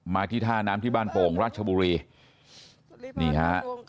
ที่ท่าน้ำที่บ้านโป่งราชบุรีนี่ฮะ